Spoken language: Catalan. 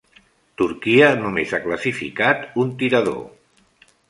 Turquia només ha classificat un tirador.